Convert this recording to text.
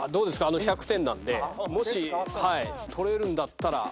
あの１００点なんでもし取れるんだったら。